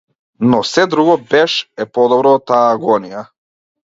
Но сѐ друго беш е подобро од таа агонија!